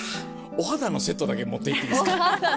お肌のセットだけ持っていっていいですか？